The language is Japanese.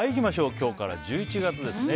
今日から１１月ですね。